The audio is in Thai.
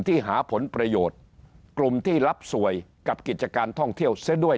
ที่หาผลประโยชน์กลุ่มที่รับสวยกับกิจการท่องเที่ยวซะด้วย